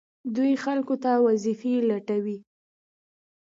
دوی خلکو ته وظیفې لټوي.